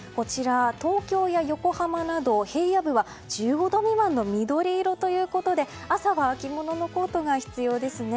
東京や横浜など平野部は１５度未満の緑色ということで朝は秋物のコートが必要ですね。